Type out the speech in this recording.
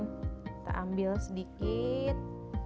kita ambil sedikit